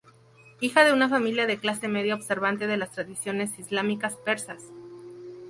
Hija de una familia de clase media observante de las tradiciones islámicas persas.